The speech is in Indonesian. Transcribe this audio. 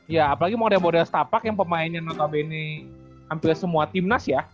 ya apalagi model model setapak yang pemainnya notabene hampir semua timnas ya